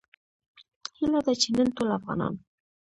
هیله ده چې نن ټول افغانان